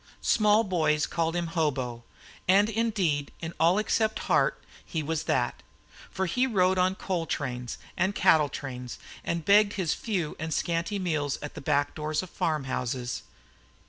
Small boys called him "Hobo," and indeed in all except heart he was that. For he rode on coal trains and cattle trains, and begged his few and scanty meals at the back doors of farm houses.